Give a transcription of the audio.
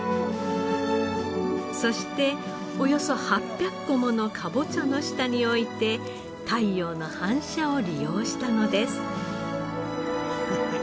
そしておよそ８００個ものかぼちゃの下に置いて太陽の反射を利用したのです。